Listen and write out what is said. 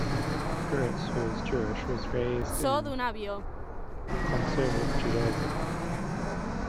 Gertz, who is Jewish, was raised in Conservative Judaism.